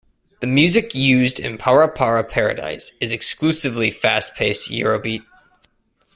The music used in Para Para Paradise is exclusively fast-paced Eurobeat.